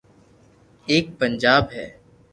ايڪ پنجاب ھي